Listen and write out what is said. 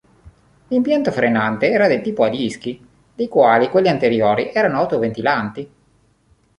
L'impianto frenante era del tipo a dischi, dei quali quelli anteriori erano autoventilanti.